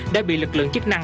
đã bị lực lượng chức năng